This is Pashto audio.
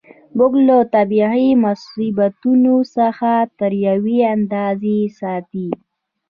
موږ له طبیعي مصیبتونو څخه تر یوې اندازې ساتي.